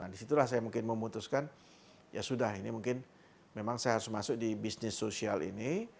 disitulah saya mungkin memutuskan ya sudah ini mungkin memang saya harus masuk di bisnis sosial ini